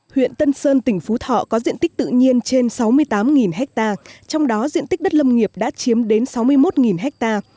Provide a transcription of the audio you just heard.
huyện tân sơn tỉnh phú thọ có diện tích tự nhiên trên sáu mươi tám ha trong đó diện tích đất lâm nghiệp đã chiếm đến sáu mươi một ha